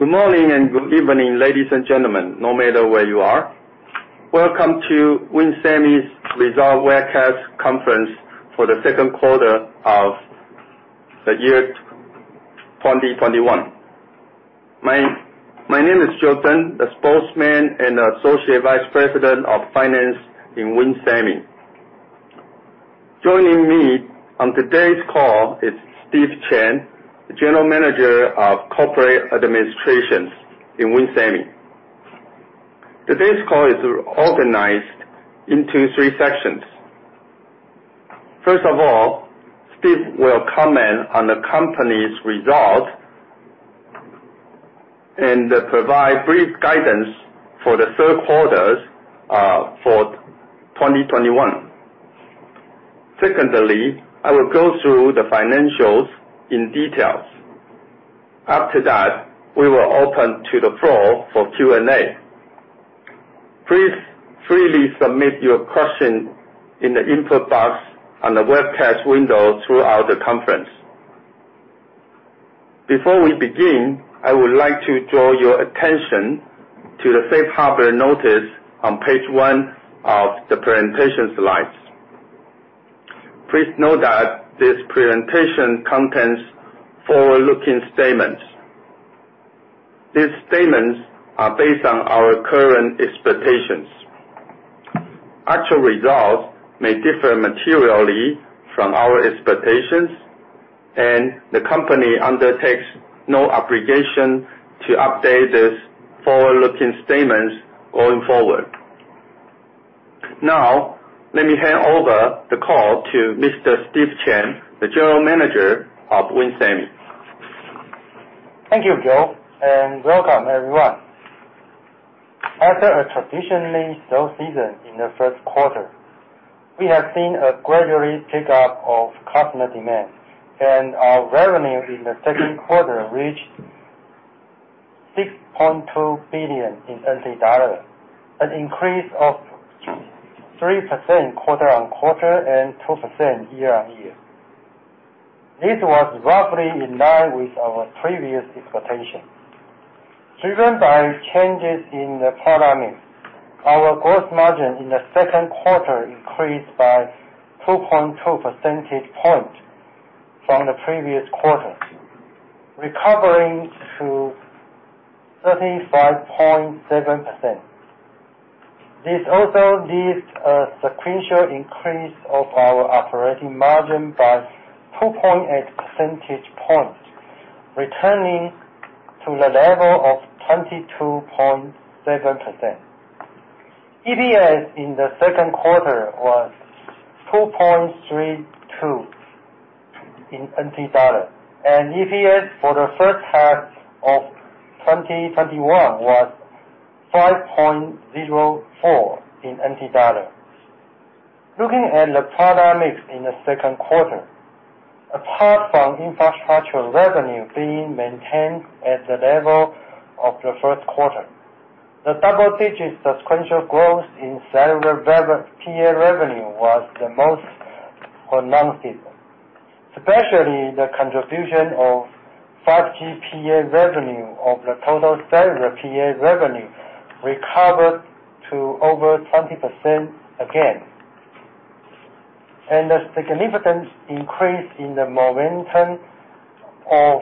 Good morning and good evening, ladies and gentlemen, no matter where you are. Welcome to WIN Semiconductors' result webcast conference for the second quarter of the year 2021. My name is Joe Tseng, the spokesman and Associate Vice President of Finance in WIN Semiconductors. Joining me on today's call is Steve Chen, the General Manager of Corporate Administration in WIN Semiconductors. Today's call is organized into three sections. First of all, Steve will comment on the company's results and provide brief guidance for the third quarter for 2021. Secondly, I will go through the financials in detail. After that, we will open to the floor for Q&A. Please freely submit your question in the input box on the webcast window throughout the conference. Before we begin, I would like to draw your attention to the safe harbor notice on page one of the presentation slides. Please note that this presentation contains forward-looking statements. These statements are based on our current expectations. Actual results may differ materially from our expectations, and the company undertakes no obligation to update these forward-looking statements going forward. Let me hand over the call to Mr. Steve Chen, the General Manager of WIN Semiconductor. Thank you, Joe Tseng, and welcome, everyone. After a traditionally slow season in the first quarter, we have seen a gradual take-up of customer demand, and our revenue in the second quarter reached 6.2 billion, an increase of 3% quarter-on-quarter and 2% year-on-year. This was roughly in line with our previous expectation. Driven by changes in the product mix, our gross margin in the second quarter increased by 2.2 percentage points from the previous quarter, recovering to 35.7%. This also leads to a sequential increase of our operating margin by 2.8 percentage points, returning to the level of 22.7%. EPS in the second quarter was 2.32, and EPS for the first half of 2021 was 5.04. Looking at the product mix in the second quarter, apart from infrastructure revenue being maintained at the level of the first quarter, the double-digit sequential growth in cellular PA revenue was the most phenomenal. Especially the contribution of 5G PA revenue of the total cellular PA revenue recovered to over 20% again. The significant increase in the momentum of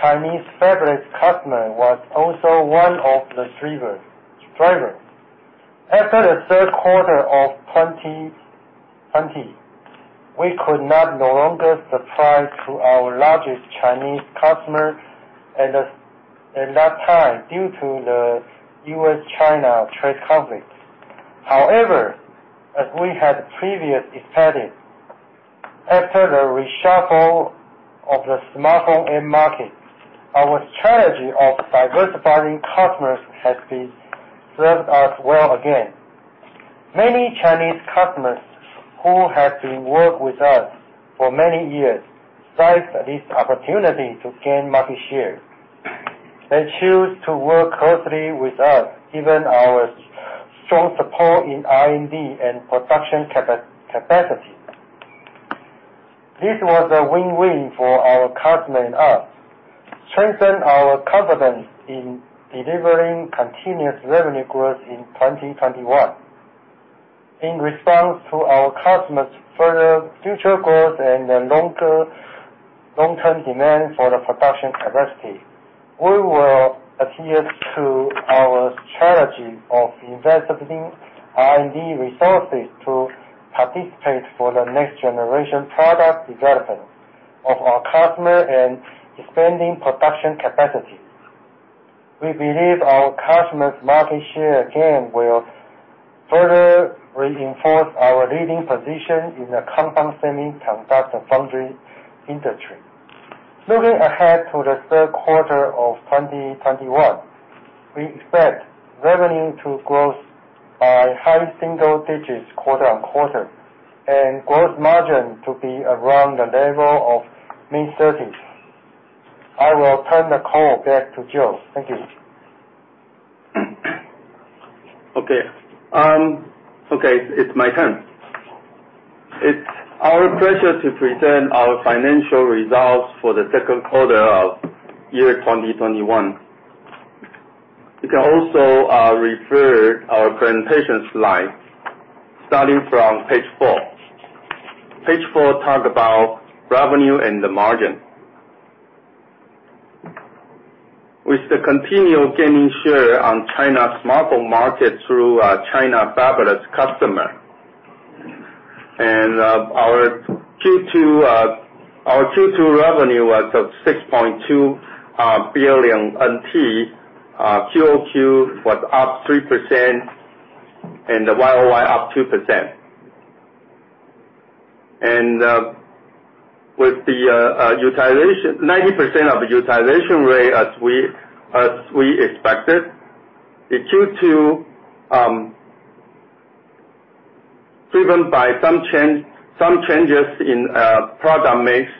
Chinese fabless customers was also one of the drivers. After the third quarter of 2020, we could no longer supply to our largest Chinese customer at that time due to the U.S.-China trade conflict. However, as we had previously expected, after the reshuffle of the smartphone end market, our strategy of diversifying customers has served us well again. Many Chinese customers who have been working with us for many years seized this opportunity to gain market share and chose to work closely with us given our strong support in R&D and production capacity. This was a win-win for our customer and us, strengthening our confidence in delivering continuous revenue growth in 2021. In response to our customers' further future growth and the long-term demand for production capacity, we will adhere to our strategy of investing R&D resources to participate in the next generation of product development for our customers and expanding production capacity. We believe our customers' market share, again, will further reinforce our leading position in the compound semiconductor foundry industry. Looking ahead to the third quarter of 2021, we expect revenue to grow by high single digits quarter-over-quarter and gross margin to be around the level of mid-30s. I will turn the call back to Joe. Thank you. Okay. It's my turn. It's our pleasure to present our financial results for the second quarter of year 2021. You can also refer to our presentation slide starting from page four. Page four talks about revenue and the margin. With the continued gaining of share on China's mobile market through our China fabless customer. Our Q2 revenue was at 6.2 billion NT. QoQ was up 3%, and YoY was up 2%. With the 90% utilization rate as we expected in Q2, driven by some changes in product mix,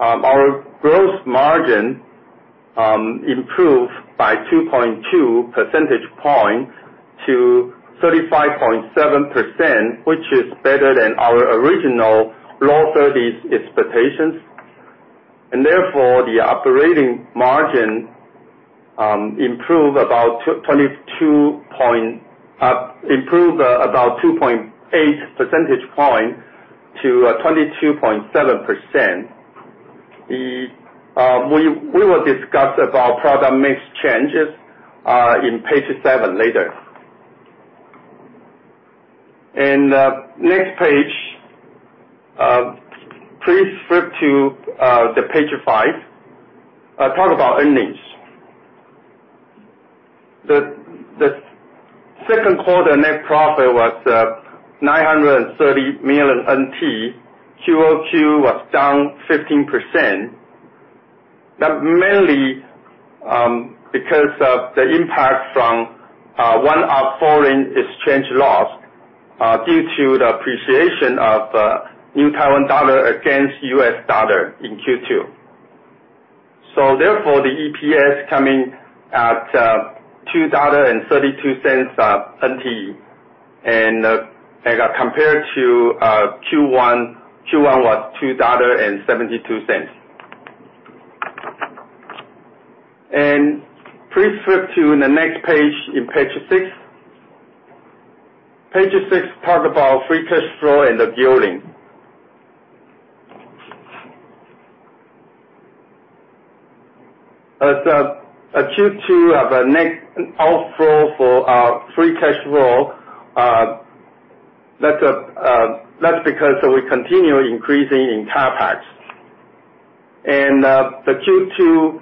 our gross margin improved by 2.2 percentage points to 35.7%, which is better than our original low-30s expectations. Therefore, the operating margin improved about 2.8 percentage points to 22.7%. We will discuss product mix changes on page seven later. Next page. Please flip to page five. I talk about earnings. The second quarter net profit was 930 million NT; QoQ was down 15%. That's mainly because of the impact from foreign exchange loss due to the appreciation of the New Taiwan dollar against U.S. dollar in Q2. Therefore, the EPS came at 2.32 NT dollars, and compared to Q1, it was TWD 2.72. Please flip to the next page, six. Page six talks about free cash flow and the gearing. As of Q2, we have a net outflow for our free cash flow. That's because we continue increasing in CapEx. The Q2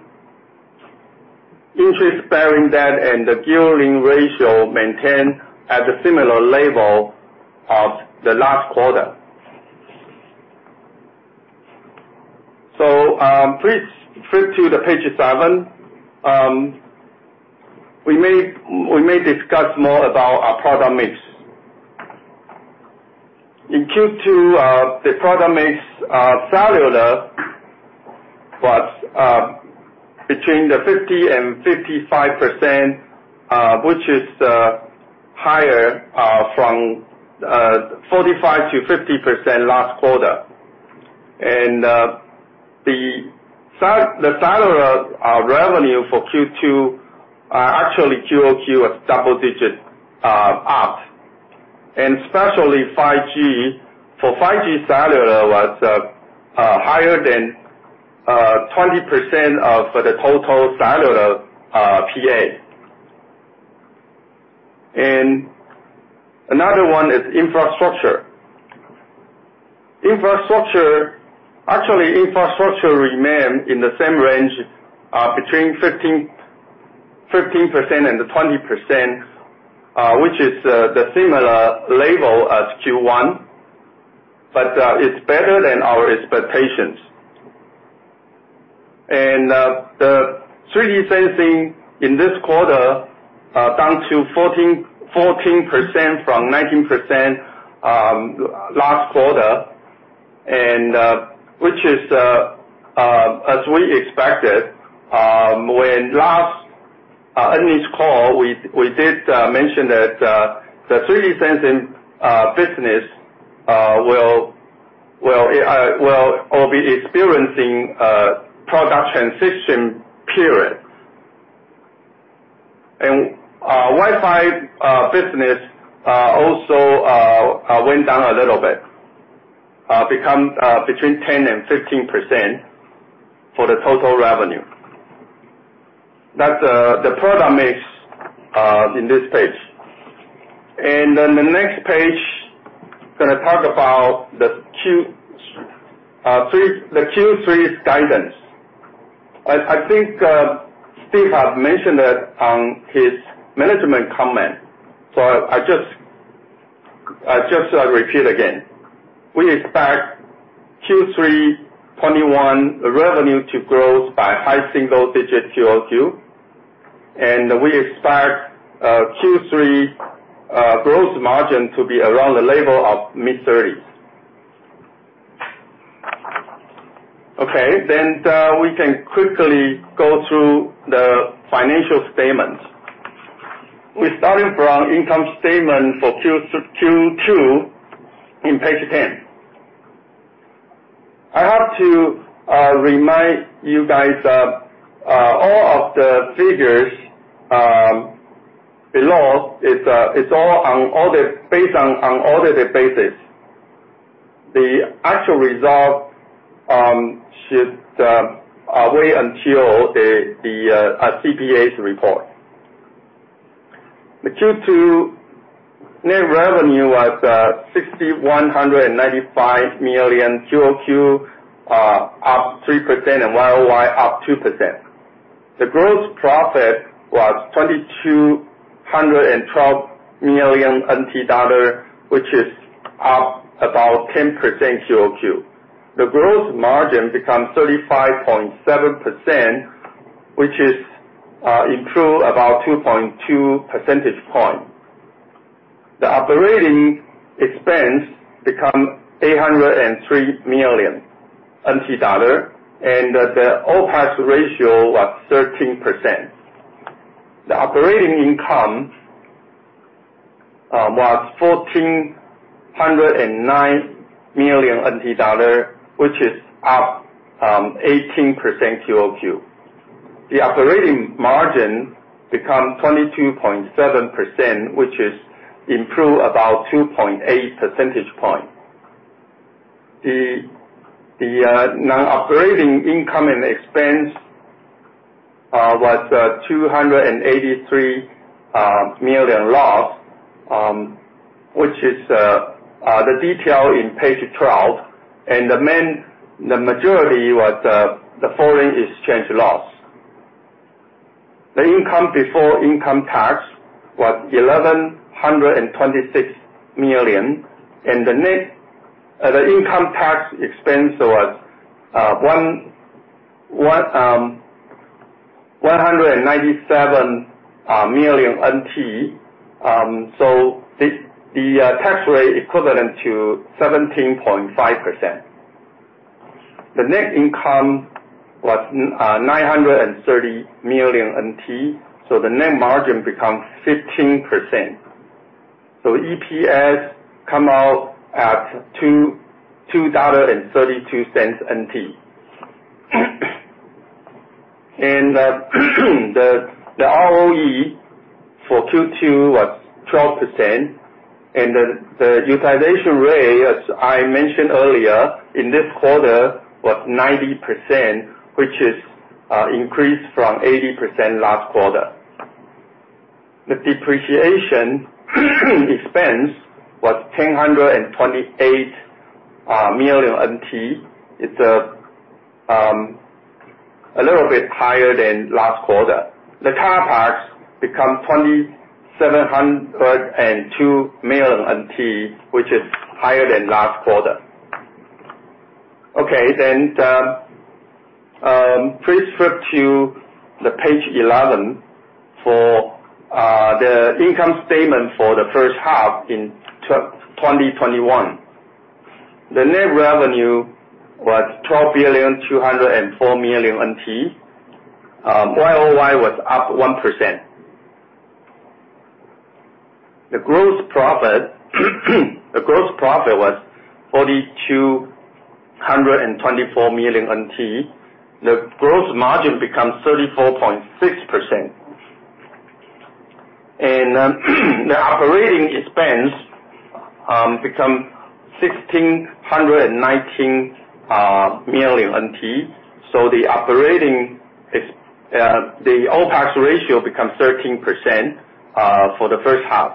interest-bearing debt and the gearing ratio were maintained at a similar level to the last quarter. Please flip to page seven. We may discuss more about our product mix. In Q2, the product mix, cellular, was between the 50%-55%, which is higher than 45%-50% last quarter. The cellular revenue for Q2, actually QoQ, was double-digit up, especially 5G. For 5G, cellular was higher than 20% of the total cellular PA. Another one is infrastructure. Actually, infrastructure remained in the same range, between 13% and 20%, which is the same level as Q1, but it's better than our expectations. The 3D sensing in this quarter is down to 14% from 19% last quarter, which is as we expected; when we had the last earnings call, we did mention that the 3D sensing business will be experiencing a product transition period. Our Wi-Fi business also went down a little bit, becoming between 10% and 15% of the total revenue. That's the product mix on this page. The next page is going to talk about the Q3 guidance. I think Steve has mentioned that on his management comment. I just repeat again. We expect Q3 2021 revenue to grow by high single-digit QoQ. We expect Q3 gross margin to be around the level of the mid-30s. Okay, we can quickly go through the financial statements. We're starting from the income statement for Q2 on page 10. I have to remind you guys, all of the figures below are all based on an unaudited basis. The actual result should wait until the CPA's report. The Q2 net revenue was 6,195 million QoQ, up 3%, and YoY up 2%. The gross profit was 2,212 million NT dollar, which is up about 10% QoQ. The gross margin becomes 35.7%, which is an improvement of about 2.2 percentage points. The operating expense becomes TWD 803 million. The OPEX ratio was 13%. The operating income was 1,409 million NT dollar, which is up 18% QoQ. The operating margin becomes 22.7%, which is an improvement of about 2.8 percentage points. The non-operating income and expense was a 283 million loss, which is detailed on page 12. The majority was the foreign exchange loss. The income before income tax was 1,126 million. The income tax expense was TWD 197 million. The tax rate is equivalent to 17.5%. The net income was 930 million NT. The net margin becomes 15%. EPS comes out at 2.32 dollars. The ROE for Q2 was 12%. The utilization rate, as I mentioned earlier, in this quarter was 90%, which is an increase from 80% last quarter. The depreciation expense was 1,628 million NT. It's a little bit higher than last quarter. The CapEx became 2,702 million NT, which is higher than last quarter. Okay. Please flip to page 11 for the income statement for the first half in 2021. The net revenue was 12,204 million NT. YoY was up 1%. The gross profit was 4,224 million NT. The gross margin becomes 34.6%. The operating expense becomes TWD 1,619 million. The OpEX ratio becomes 13% for the first half.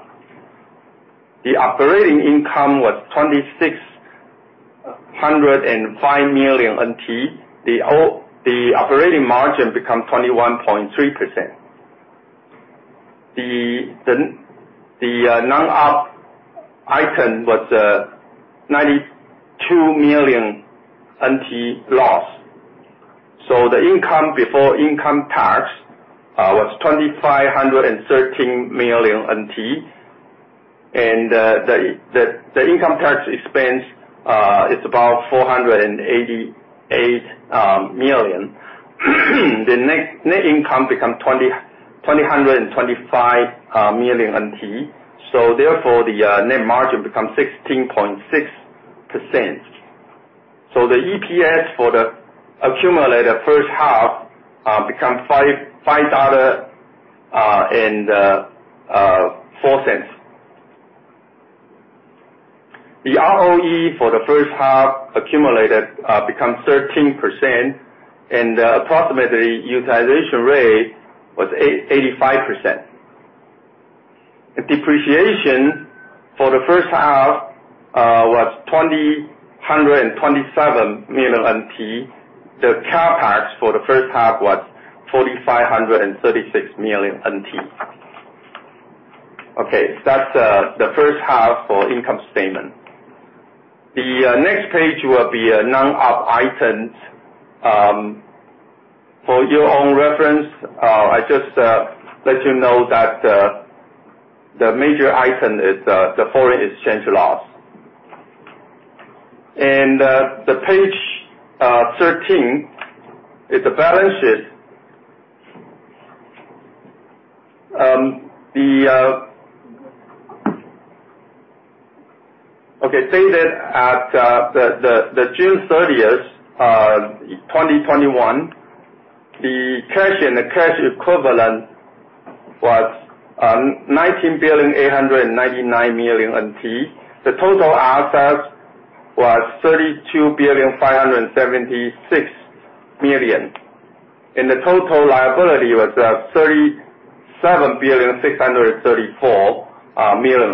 The operating income was 2,605 million NT. The operating margin becomes 21.3%. The non-op item was a 92 million NT loss. The income before income tax was 2,513 million NT, and the income tax expense is about 488 million. The net income becomes 2,025 million NT, so therefore the net margin becomes 16.6%. The EPS for the accumulated first half becomes TWD 5.04. The ROE for the first half accumulated became 13%, and the approximate utilization rate was 85%. The depreciation for the first half was 2,027 million NT. The CapEx for the first half was 4,536 million NT. Okay. That's the first half for the income statement. The next page will be non-op items. For your own reference, I just let you know that the major item is the foreign exchange loss. Page 13 is the balances. As of June 30th, 2021, the cash and the cash equivalent were 19,899 billion. The total assets were 32,576 billion; the total liability was 37,634 billion.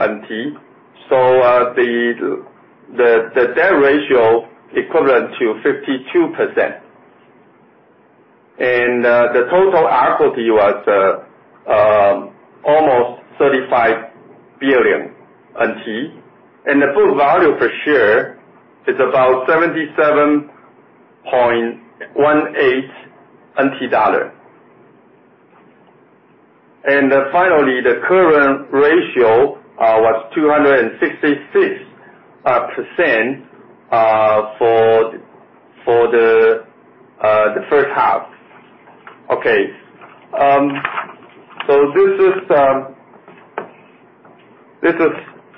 The debt ratio is equivalent to 52%. The total equity was almost 35 billion NT; the book value per share is about 77.18 NT dollar. Finally, the current ratio was 266% for the first half. This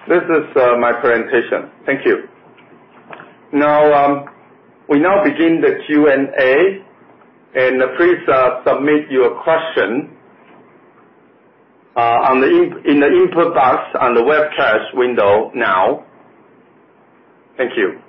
is my presentation. Thank you. We now begin the Q&A. Please submit your question in the input box on the webcast window now. Thank you.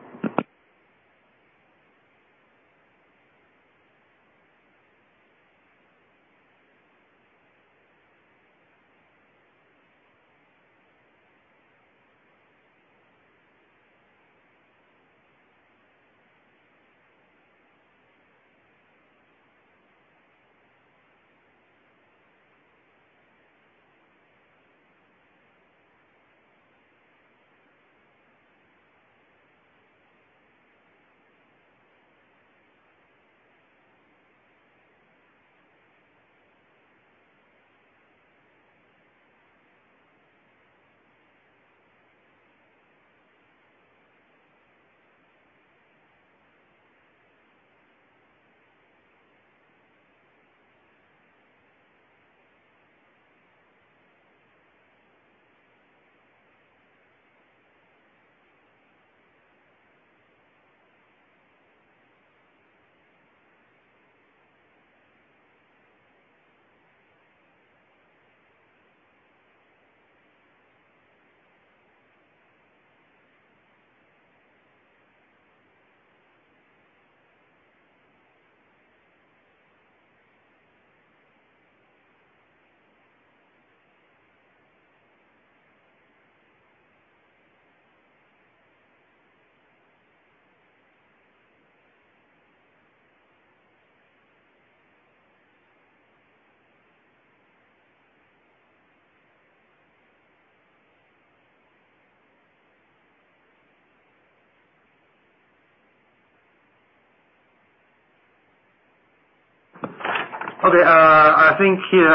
I think here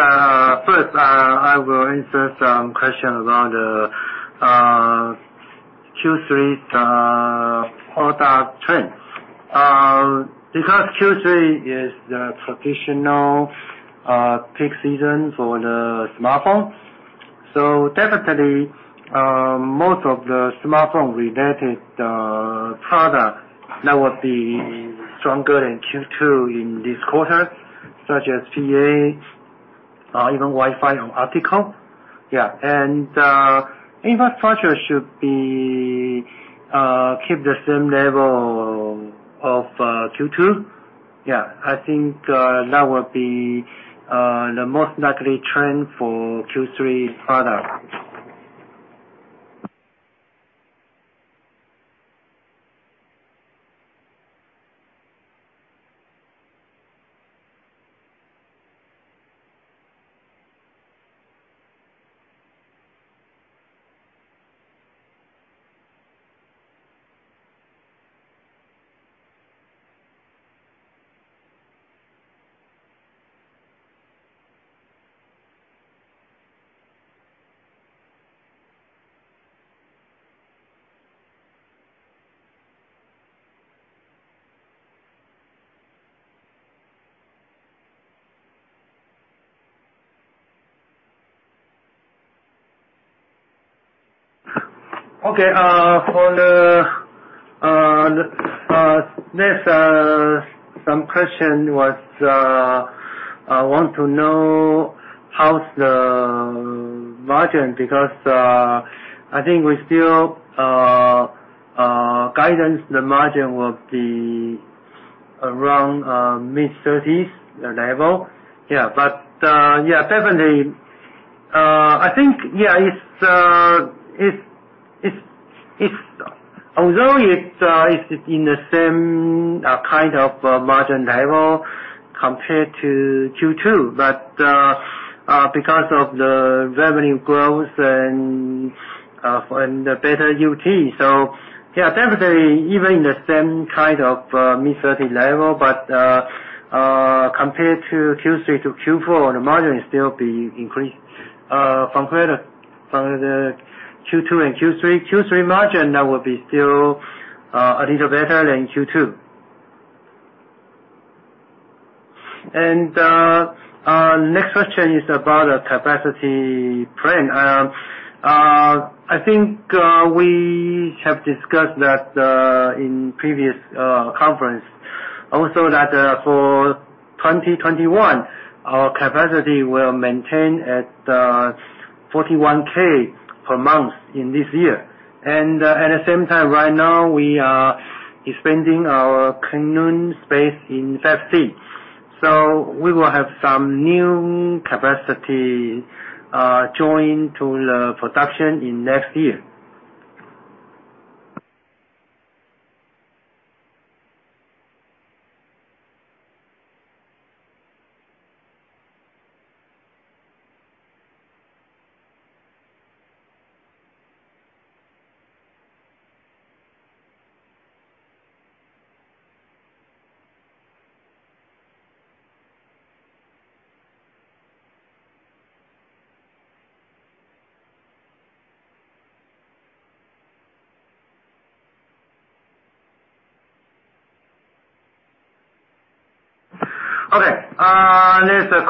first, I will answer some questions around the Q3 product trend. Q3 is the traditional peak season for smartphones; definitely most of the smartphone-related products now will be stronger in Q2 than in this quarter, such as PA, even Wi-Fi and optical. Yeah. Infrastructure should keep the same level of Q2. Yeah, I think that will be the most likely trend for Q3 product. Okay. Some questions want to know how the margin is; I think we still have guidance the margin will be around the mid-30s level. Yeah. Definitely, although it's in the same kind of margin level compared to Q2, Because of the revenue growth and the better UT. Yeah, definitely even in the same kind of mid-30s level, but compared to Q3-Q4, the margin will still be higher than in Q2 and Q3. Q3 margin, that will be still a little better than Q2. The next question is about our capacity plan. I think we have discussed that in a previous conference also: for 2021, our capacity will be maintained at 41K per month in this year. At the same time, right now we are expanding our Guishan space in phase C. We will have some new capacity join the production next year.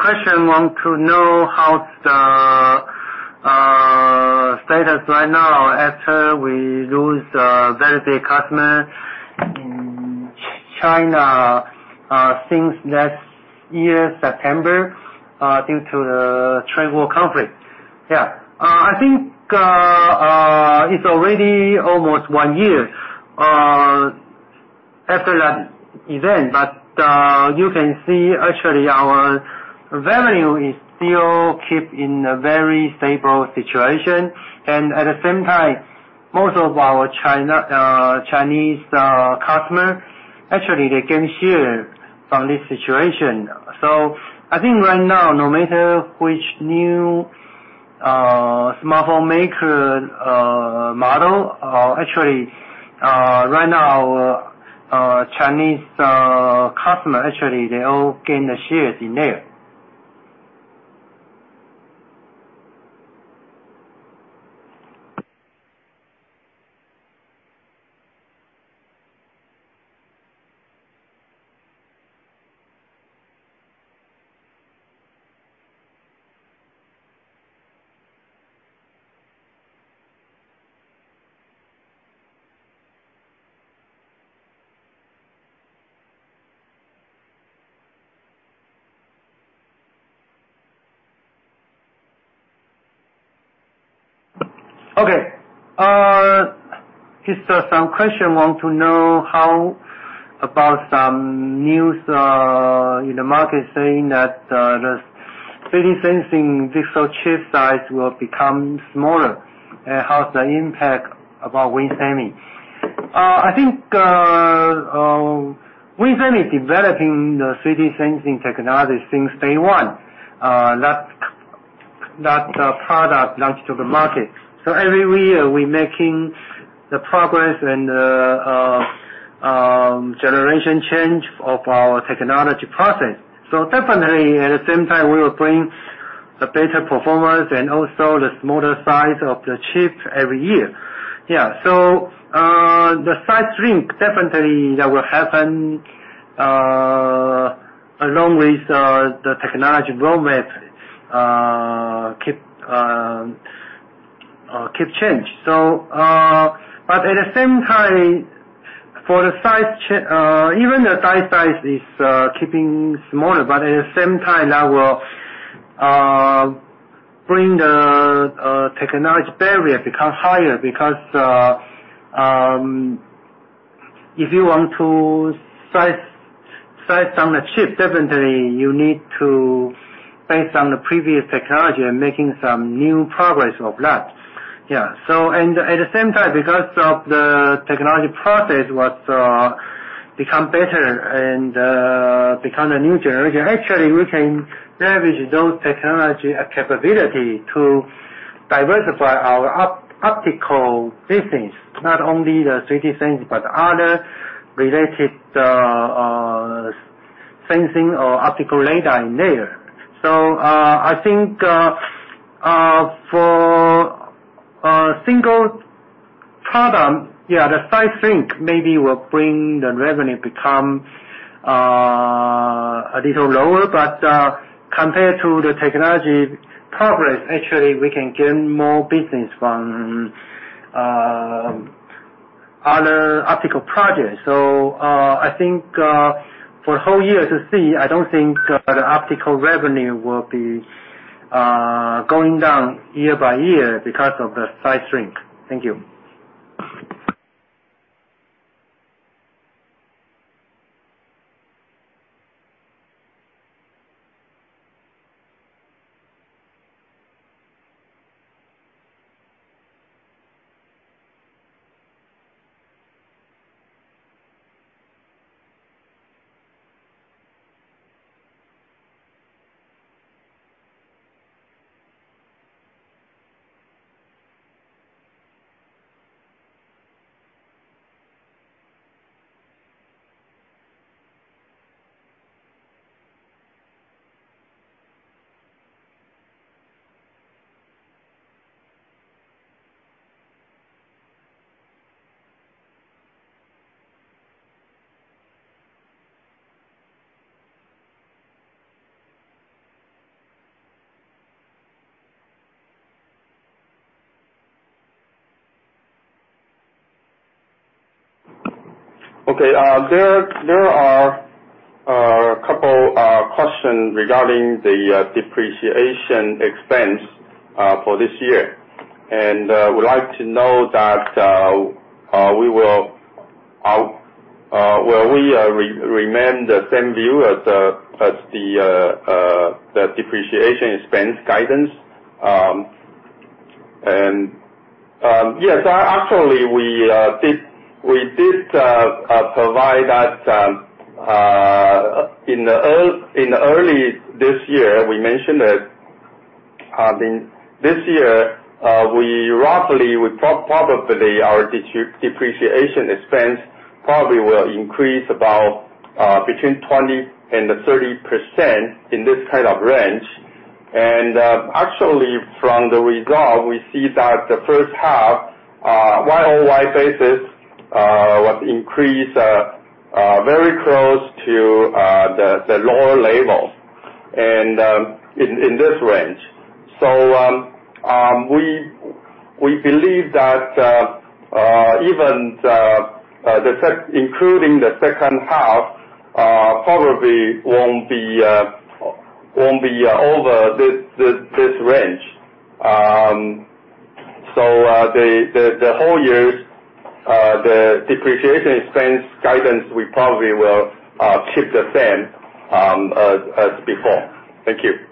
Okay. There's a question: want to know how the status is right now after we lost a very big customer in China since last year, September, due to the trade war conflict? Yeah. I think it's already almost one year after that event. You can see, actually, our revenue is still kept in a very stable situation. At the same time, most of our Chinese customers, actually, gain share from this situation. I think right now, no matter which new smartphone maker model, actually, right now, our Chinese customers, actually, they all gain shares in there. Okay. Just some questions: I want to know about some news in the market saying that the 3D sensing digital chip size will become smaller, and how's the impact about WIN Semi? I think WIN Semi has been developing the 3D sensing technology since day one. That product launched to the market. Every year, we are making progress and generation change in our technology process. Definitely at the same time, we will bring the better performance and also the smaller size of the chip every year. The size will shrink; definitely that will happen along with the technology roadmap keeping changing. At the same time, even the die size is keeping smaller, but at the same time, that will bring the technology barrier to become higher because if you want to size down the chip, you definitely need to base it on the previous technology and make some new progress on that. At the same time, because the technology process has become better and become the new generation, actually, we can leverage those technological capabilities to diversify our optical business, not only in 3D sensing, but other related sensing or optical LiDAR. I think for a single product, yeah, the size shrink maybe will bring the revenue to become a little lower, but compared to the technology progress, actually, we can gain more business from other optical projects. I think for the whole year to come, I don't think the optical revenue will be going down year-over-year because of the size shrink. Thank you. Okay. There are a couple questions regarding the depreciation expense for this year. Would you like to know if we will remain the same in our view as the depreciation expense guidance? Yes. Actually, we did provide that early this year. We mentioned that this year, roughly, probably our depreciation expense will increase about between 20% and 30% in this kind of range. Actually, from the result, we see that the first half, on a YoY basis, was increased very close to the lower level and in this range. We believe that even including the second half probably won't be over this range. The whole year, the depreciation expense guidance we probably will keep the same as before. Thank you.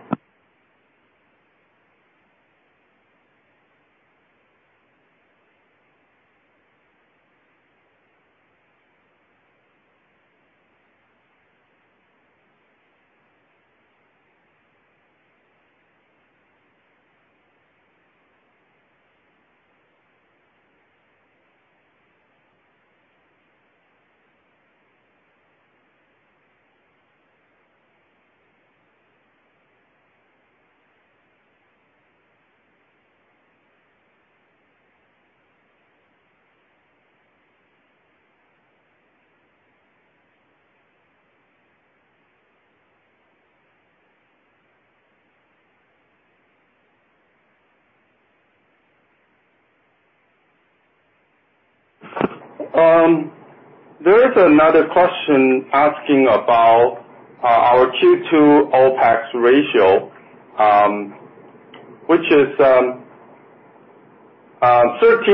There is another question asking about our Q2 OpEx ratio, which is 13%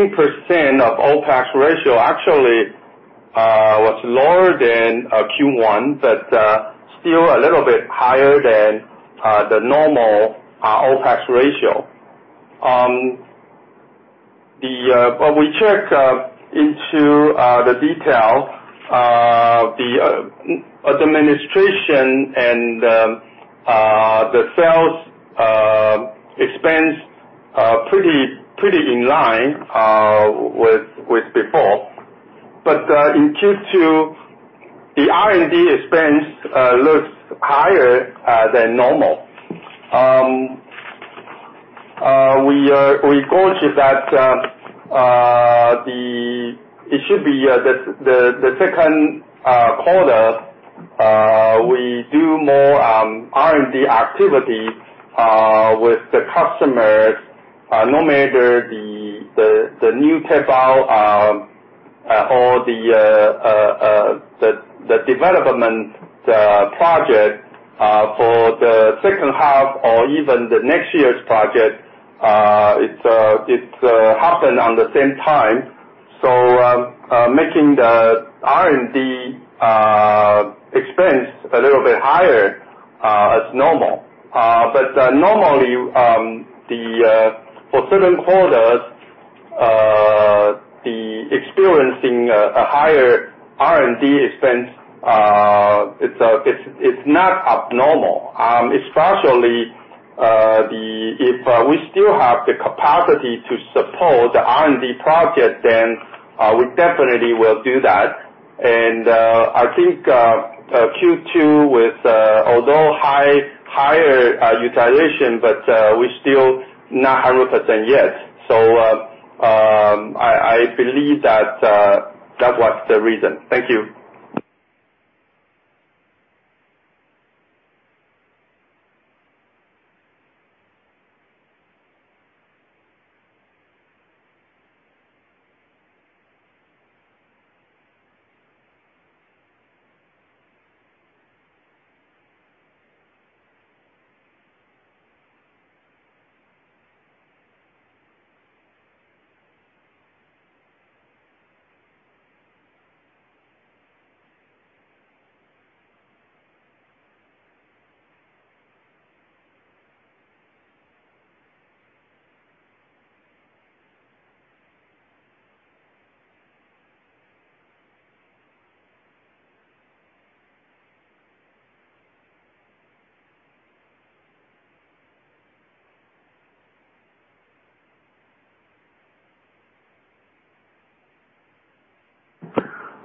of the OpEx ratio. Actually, it was lower than Q1 but still a little bit higher than the normal OpEx ratio. When we check into the details, the administration and sales expenses are pretty in line with before. In Q2, the R&D expense looks higher than normal. We gauge that it should be the second quarter; we do more R&D activity with the customers, no matter the new type or the development project for the second half or even next year's project, and it happens at the same time. Making the R&D expense a little bit higher than normal. Normally, for certain quarters, experiencing a higher R&D expense is not abnormal. Especially if we still have the capacity to support the R&D project, then we definitely will do that. I think Q2 is with higher utilization, but we are still not 100% yet. I believe that was the reason. Thank you.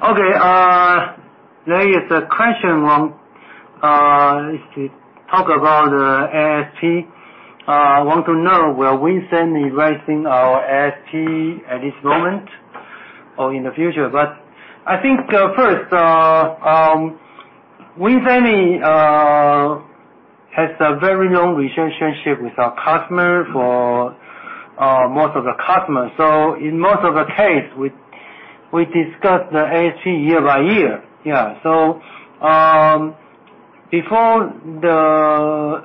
Okay. There is a question: to talk about ASP. Want to know, will WIN Semiconductors raise our ASP at this moment or in the future? I think first, WIN Semiconductors has a very long relationship with our customer for most of the customers. Before the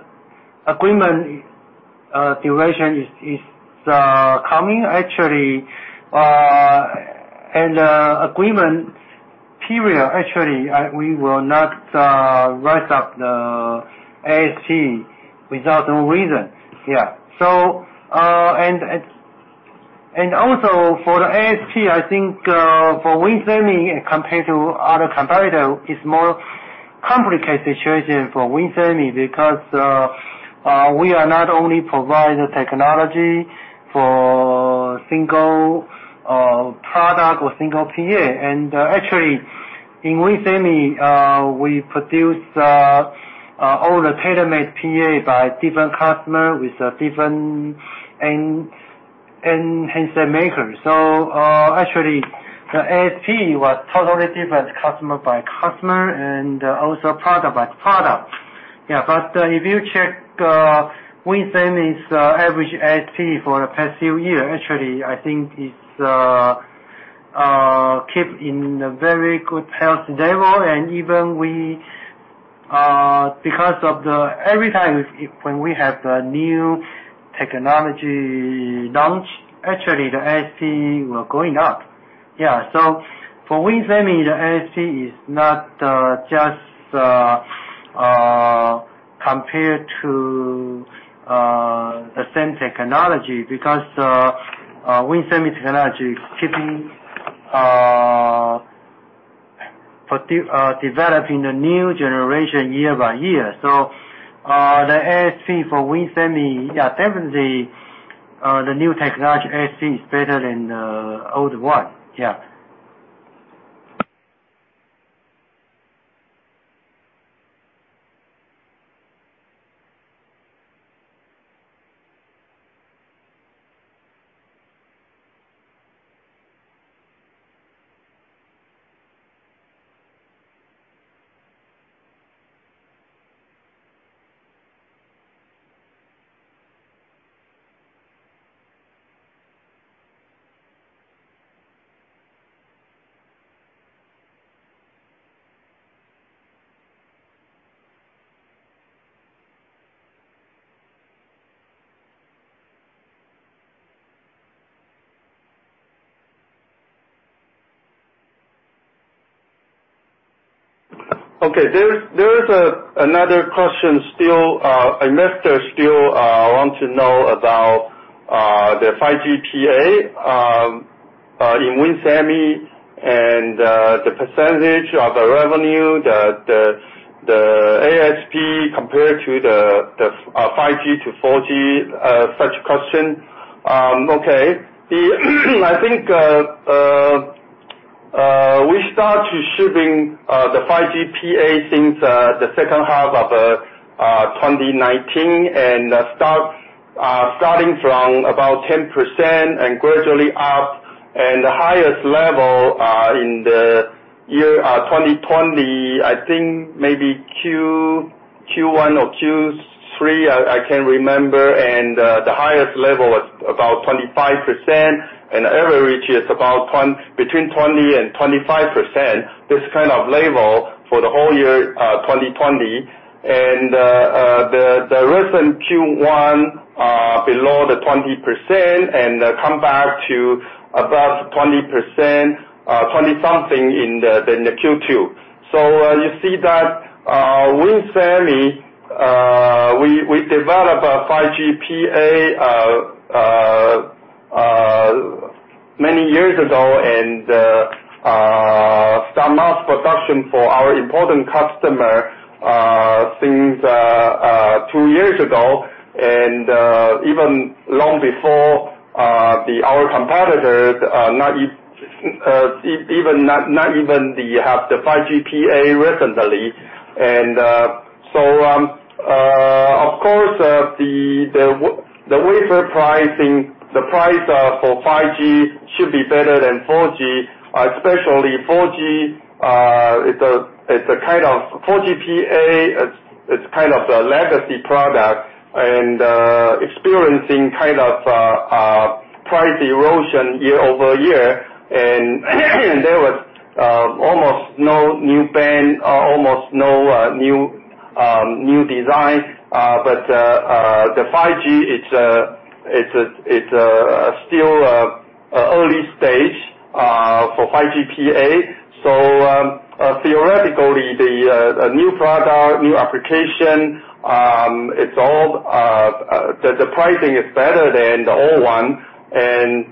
agreement duration comes, actually, and agreement period, actually, we will not raise up the ASP without a reason. Also for the ASP, I think for WIN Semiconductors, compared to other competitors, it's a more complicated situation for WIN Semiconductors because we are not only providing the technology for a single product or single PA. Actually, at WIN Semiconductors, we produce all the tailor-made PAs by different customers with different handset makers. Actually, the ASP was totally different customer to customer and also product to product. If you check WIN Semiconductors' average ASP for the past few years, I think it's kept at a very good health level. Even because of every time we have a new technology launch, the ASP is going up. For WIN Semiconductors, the ASP is not just compared to the same technology because WIN Semiconductors' technology keeps developing the new generation year by year. The ASP for WIN Semiconductors, definitely. The new technology ASP is better than the old one. There is another question. Investors still want to know about the 5G PA in WIN Semiconductors, the percentage of the revenue, and the ASP compared to the 5G-4G, such questions. I think we started shipping the 5G PA in the second half of 2019, starting from about 10% and gradually up. The highest level in the year 2020, I think maybe in Q1 or Q3, I can't remember; the highest level was about 25%. The average is about between 20%-25%, this kind of level, for the whole year 2020. The recent Q1 was below 20% and came back to above 20%, 20-something, in Q2. You see that, WIN Semiconductors? We developed a 5G PA many years ago and started mass production for our important customer two years ago. Even long before our competitors, not even having the 5G PA recently. Of course, the wafer pricing, the price for 5G, should be better than 4G, especially 4G PA; it's kind of the legacy product and experiencing price erosion year-over-year, and there was almost no new band, almost no new design. The 5G, it's still early stage for 5G PA Theoretically, for the new product, the new application, and the pricing, it is better than the old one. That's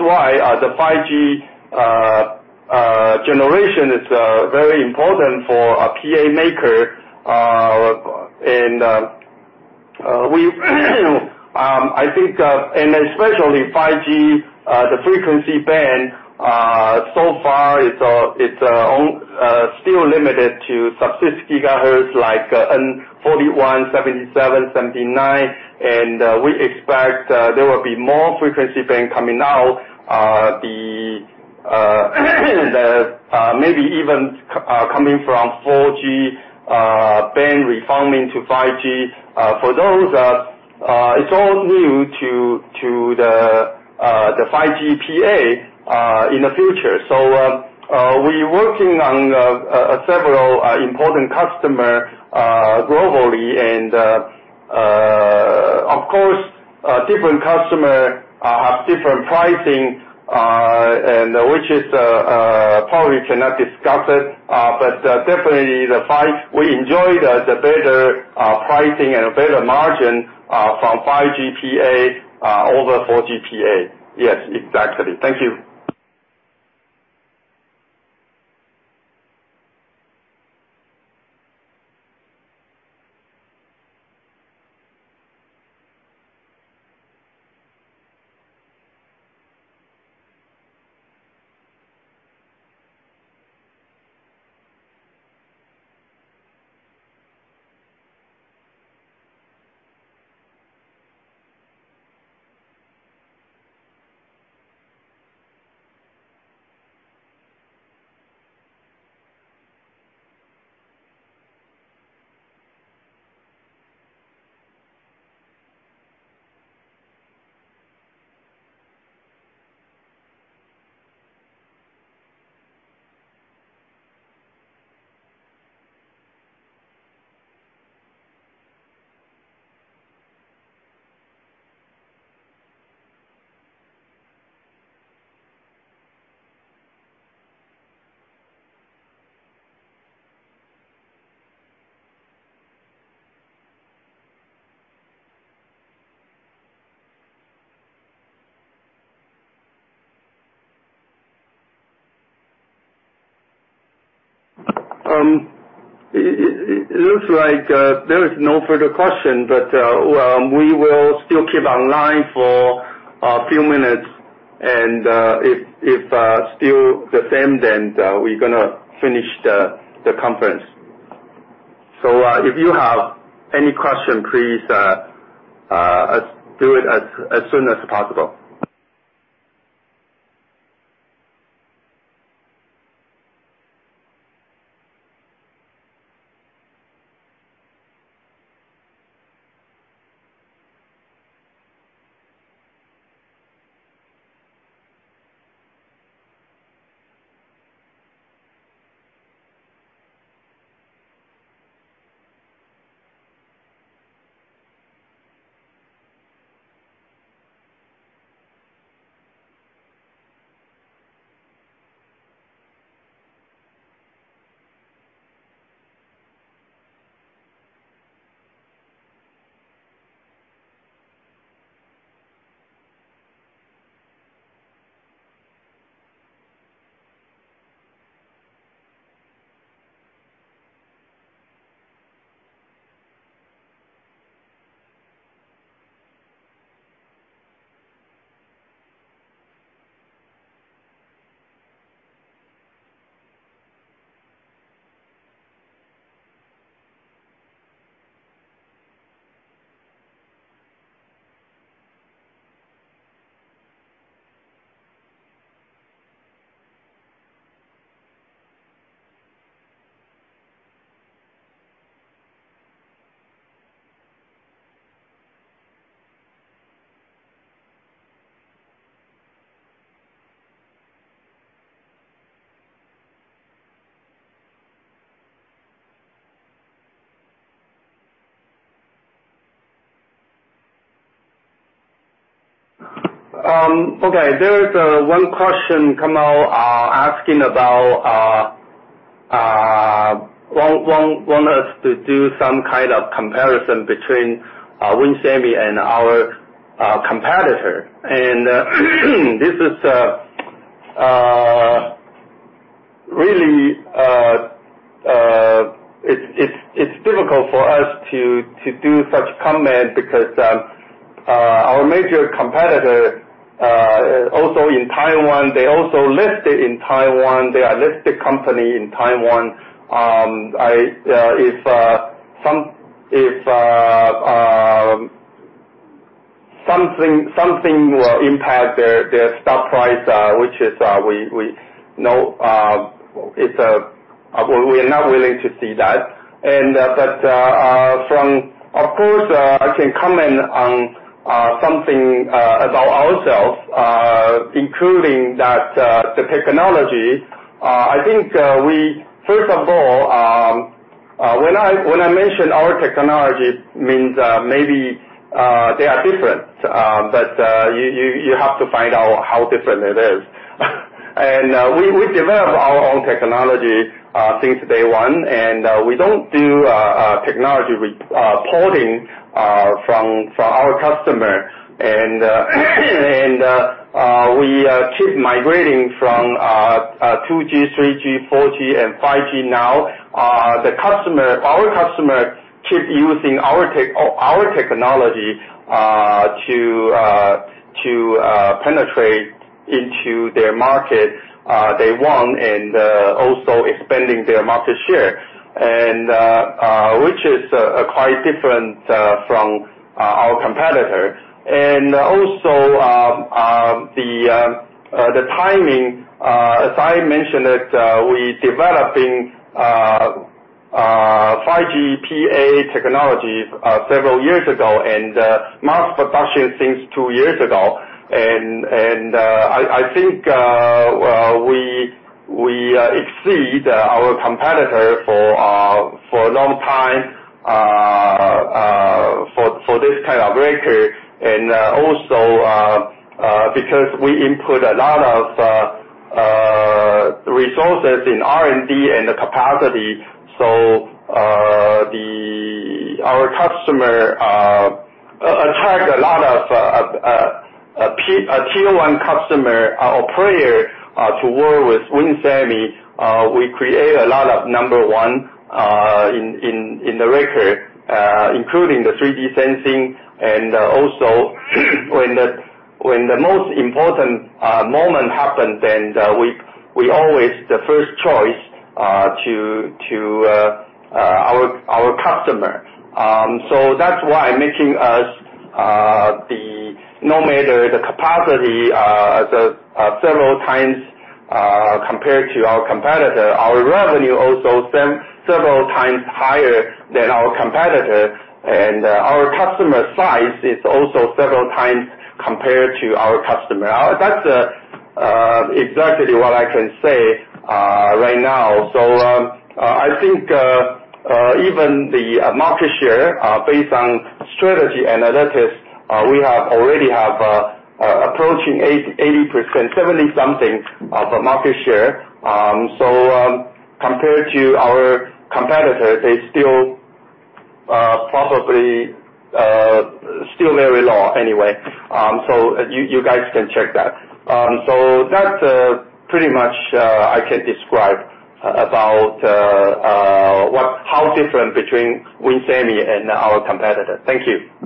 why the 5G generation is very important for a PA maker. Especially 5G, the frequency band, so far it's still limited to sub-6 GHz, like N41, N77, and N79; we expect there will be more frequency bands coming out, maybe even coming from 4G bands refarming to 5G. For those, it's all new to the 5G PA in the future. We're working on several important customers globally, of course; different customers have different pricing, which we probably cannot discuss it, but definitely we enjoy the better pricing and better margin from 5G PAs over 4G PAs. Yes, exactly. Thank you. It looks like there is no further question, but we will still keep the online connection for a few minutes, and, if it's still the same, then we're going to finish the conference. If you have any question, please do it as soon as possible. Okay, there is one question that came out asking if we want us to do some kind of comparison between WIN Semiconductors and our competitor. This is really difficult for us to do such a comment because our major competitor is also in Taiwan; they also listed in Taiwan. They are a listed company in Taiwan. If something will impact their stock price, we are not willing to see that. Of course, I can comment on something about ourselves, including the technology. I think we, first of all, when I mention our technology, mean maybe they are different, but you have to find out how different it is. We have developed our own technology since day one, and we don't do technology porting from our customers. We keep migrating from 2G, 3G, 4G, and 5G now. Our customers keep using our technology to penetrate into their market they want and also expand their market share, which is quite different from our competitors'. The timing, as I mentioned it, we developed 5G PA technology several years ago and mass production since two years ago. I think we have exceeded our competitor for a long time for this kind of record and also because we input a lot of resources in R&D and capacity, so our customer attracts a lot of Tier 1 customers or players to work with WIN Semi. We create a lot of number ones in the record, including the 3D sensing, and also when the most important moment happens, then we always the first choice to our customer. That's why making us the no matter the capacity, several times compared to our competitor, our revenue is also several times higher than our competitor's. Our customer base is also several times larger than our customers'. That's exactly what I can say right now. I think even the market share, based on Strategy Analytics, we have already have approaching 80%, 70%-something of the market share. Compared to our competitor, they still probably very low anyway. You guys can check that. That's pretty much all I can describe about how different WIN Semi and our competitor are. Thank you.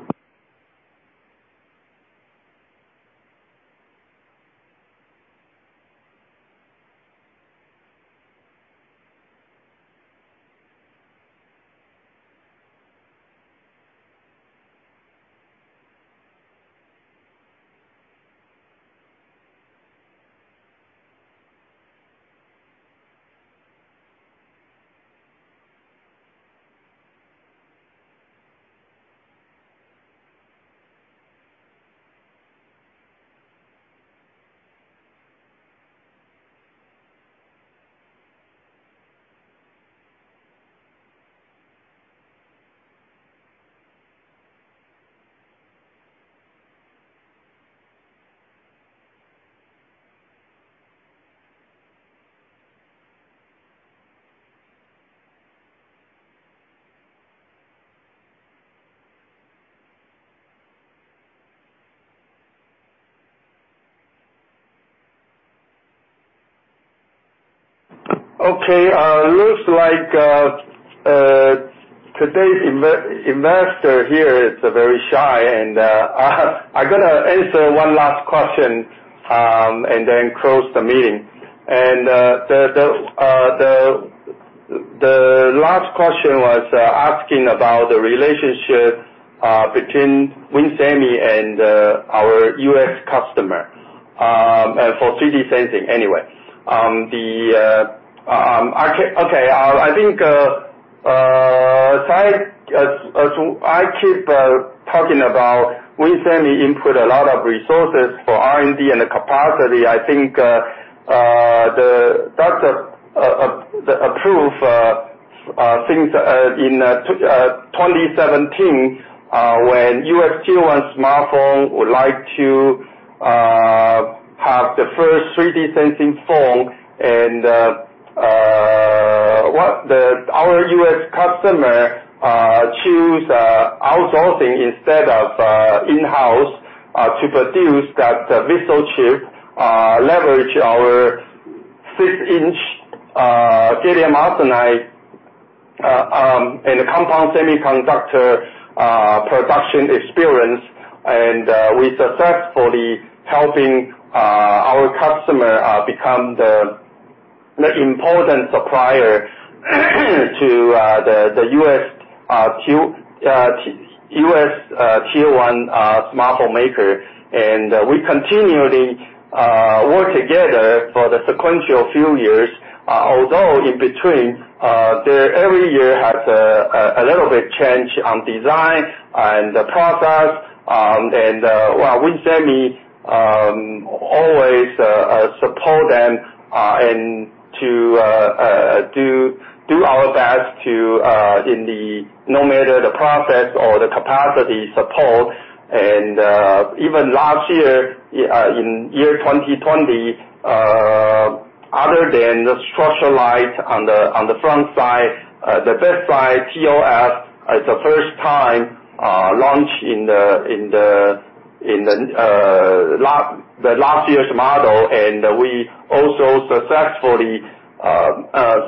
Okay. It looks like today's investor here is very shy, and I got to answer one last question and then close the meeting. The last question was asking about the relationship between WIN Semi and our U.S. customer for 3D sensing, anyway. Okay. I think, as I keep talking about WIN Semi input a lot of resources for R&D and capacity, that's approved since in 2017, when U.S. Tier 1 smartphones would like to have the first 3D sensing phone, and our U.S. customers choose outsourcing instead of in-house to produce that VCSEL chip and leverage our 6-inch gallium arsenide and compound semiconductor production experience. We successfully helping our customer become the important supplier to the U.S. Tier 1 smartphone maker. We continually work together for the sequential few years. Although in between, their every year has a little bit of change in design and process, WIN Semi always supports them and does our best, no matter the process or the capacity support. Even last year, in year 2020, other than the structured light on the front side, the back side, TOF, is the first time launch in the last year's model, and we also successfully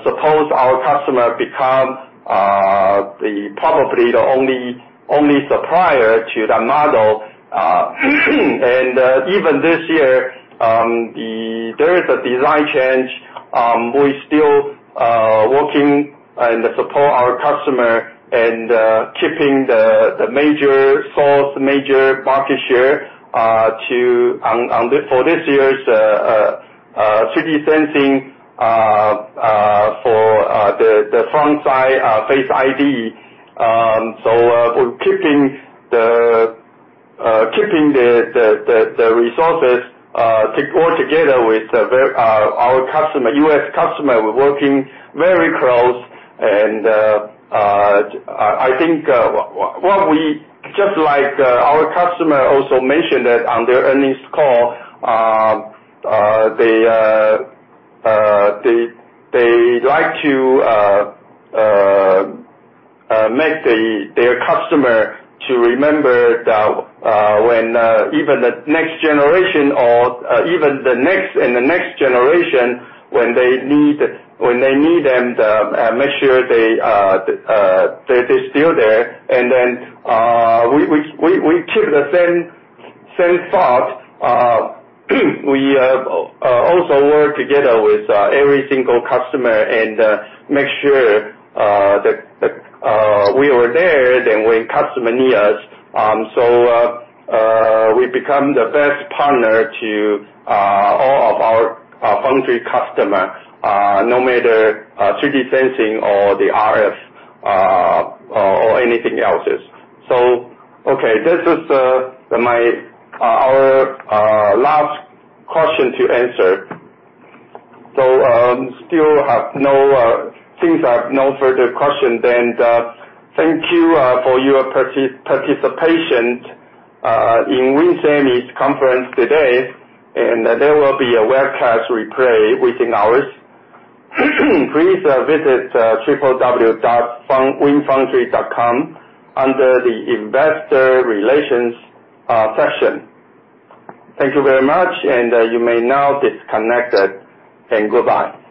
supported our customer, becoming probably the only supplier to the model. Even this year, there is a design change. We're still working and supporting our customer and keeping the major source and major market share for this year's 3D sensing for the front-side Face ID. We're keeping the resources all together with our U.S. customer. We're working very closely, and I think, just like our customer also mentioned on their earnings call, they like to make their customer to remember that even the next generation or even the next and the next generation, when they need them, make sure they're still there. Then we keep the same thought. We also work together with every single customer and make sure that we are there when the customer needs us. We become the best partner to all of our foundry customers, no matter 3D sensing or the RF or anything else. Okay. This is our last question to answer. Since I have no further questions, thank you for your participation in WIN Semi's conference today, and there will be a webcast replay within hours. Please visit www.winfoundry.com under the investor relations section. Thank you very much, and you may now disconnect, and goodbye.